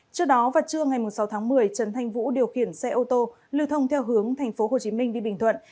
trước đó vào trưa ngày sáu tháng một mươi trần thanh vũ điều khiển xe ô tô lưu thông theo hướng tp hcm đi bình thuận